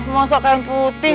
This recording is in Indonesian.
masuk kain putih